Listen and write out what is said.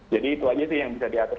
jadi itu aja sih yang bisa diatur